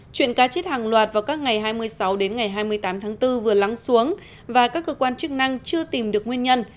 chuyện cá chết hàng loạt vào các ngày hai mươi sáu đến ngày hai mươi tám tháng bốn vừa lắng xuống và các cơ quan chức năng chưa tìm được nguyên nhân